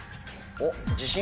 おっ！